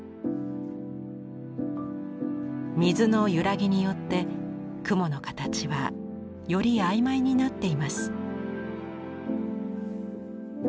水の揺らぎによって雲の形はより曖昧になっています。